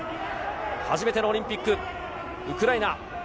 初めてのオリンピック、ウクライナ。